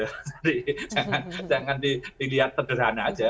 jadi jangan dilihat terderhana saja